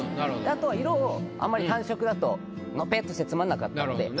あとは色をあんまり単色だとのぺっとしてつまんなかったので。